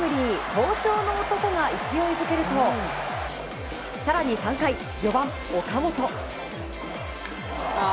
好調の男が勢いづけると更に３回、４番、岡本。